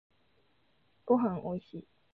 ごはんおいしい